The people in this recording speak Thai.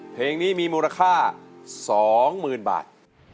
เพลงนี้มีมูลค่า๒๐๐๐บาท